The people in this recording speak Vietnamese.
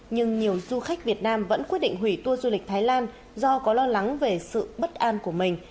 nhưng nhiều du khách việt nam vẫn quyết định hủy tour du lịch thái lan do có lo lắng về sự bất an của mình